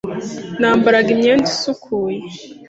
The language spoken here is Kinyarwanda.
Nambaraga imyenda isukuye.